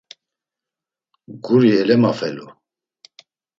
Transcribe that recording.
Guri elemafelu.